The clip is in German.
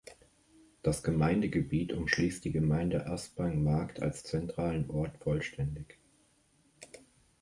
Das Gemeindegebiet umschließt die Gemeinde Aspang-Markt als zentralen Ort vollständig.